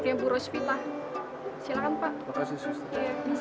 terima kasih suster